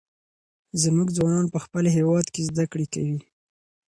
زموږ ځوانان به په خپل هېواد کې زده کړې کوي.